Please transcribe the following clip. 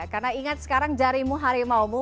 karena ingat sekarang jarimu harimau mu